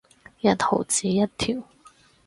一毫子一條